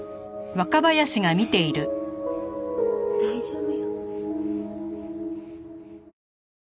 大丈夫よ。